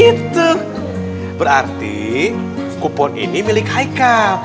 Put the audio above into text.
itu berarti kupon ini milik haika